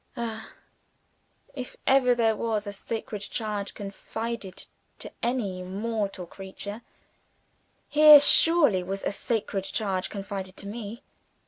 Ah, if ever there was a sacred charge confided to any mortal creature, here surely was a sacred charge confided to Me!